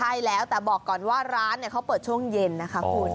ใช่แล้วแต่บอกก่อนว่าร้านเขาเปิดช่วงเย็นนะคะคุณ